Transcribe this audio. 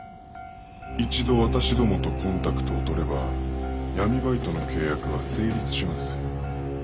「一度私どもとコンタクトを取れば闇バイトの契約は成立します」